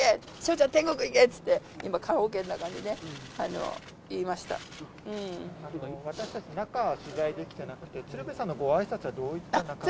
ちゃん、天国行けって言って、今、私たち、中、取材できてなくて、鶴瓶さんのごあいさつはどんな感じだったんですか。